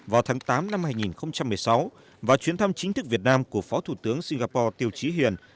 vào tháng tám năm hai nghìn một mươi sáu và chuyến thăm chính thức việt nam của phó thủ tướng singapore tiêu trí hiền